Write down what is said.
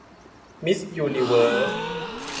มิสยูนิเวิร์ส